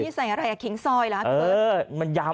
นี่ใส่อะไรแข็งซอยเหรอ